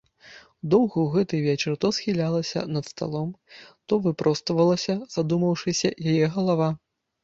Доўга ў гэты вечар то схілялася над сталом, то выпроствалася, задумаўшыся, яе галава.